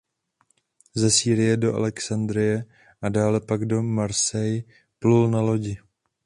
Ze Sýrie do Alexandrie a dále pak do Marseille plul na lodi.